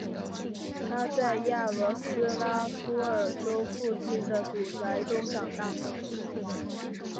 他在雅罗斯拉夫尔州父亲的祖宅中长大。